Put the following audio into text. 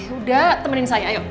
udah temenin saya